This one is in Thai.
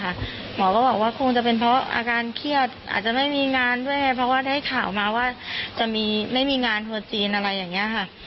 หมอก็บอกว่าคงจะเป็นเพราะอาการเครียดอาจจะไม่มีงานด้วยเพราะว่าได้ข่าวมาว่าจะไม่มีงานทัวร์จีนอะไรอย่างนี้ค่ะ